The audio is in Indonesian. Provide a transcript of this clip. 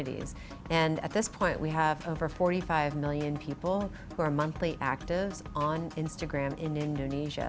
dan pada saat ini kita memiliki lebih dari empat puluh lima juta orang yang aktif mingguan di instagram di indonesia